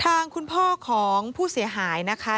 ทางคุณพ่อของผู้เสียหายนะคะ